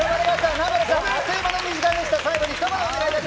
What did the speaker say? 南原さん、あっという間の２時間でした。